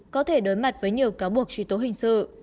có thể đối mặt với nhiều cáo buộc truy tố hình sự